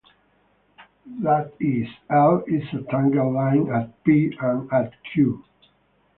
That is, "L" is a tangent line at "P" and at "Q".